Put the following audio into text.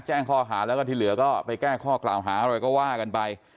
แจ้งข้อหาแล้วก็ที่เหลือก็ไปแก้ข้อกล่าวหาอะไรก็ว่ากันไป